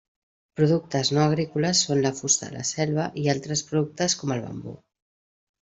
Productes no agrícoles són la fusta de la selva i altres productes com el bambú.